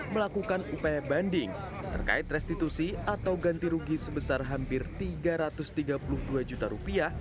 melakukan upaya banding terkait restitusi atau ganti rugi sebesar hampir tiga ratus tiga puluh dua juta rupiah